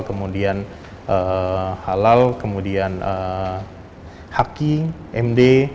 kemudian halal kemudian haki md